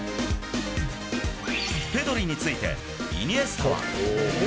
ペドリについて、イニエスタは。